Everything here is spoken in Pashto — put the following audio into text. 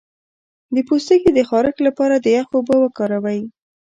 د پوستکي د خارښ لپاره د یخ اوبه وکاروئ